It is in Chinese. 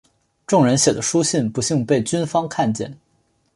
众人写的书信不幸被军方看见。